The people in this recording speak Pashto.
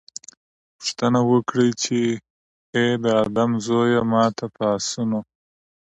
پوښتنه وکړي چې اې د آدم زويه! ما ته په آسونو